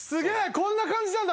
こんな感じなんだ？